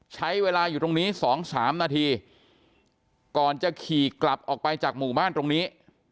ใช้เวลาอยู่ตรงนี้๒๓นาทีก่อนจะขี่กลับออกไปจากหมู่บ้านตรงนี้